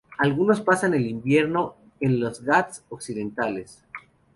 Algunos pasan el invierno en los Ghats occidentales.